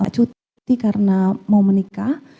cuti karena mau menikah